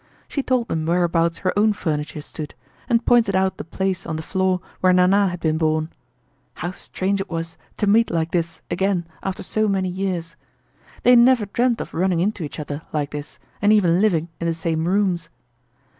She told them whereabouts her own furniture stood, and pointed out the place on the floor where Nana had been born. How strange it was to meet like this again, after so many years! They never dreamed of running into each other like this and even living in the same rooms.